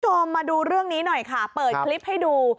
คุณผู้ชมมาดูเรื่องนี้หน่อยค่ะเปิดคลิปให้ดู